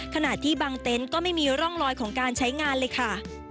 ขณะที่บางเต็นต์ก็ไม่มีร่องรอยของการใช้งานเลยค่ะ